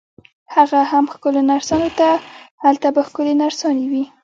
هغه هم ښکلو نرسانو ته، هلته به ښکلې نرسانې وي.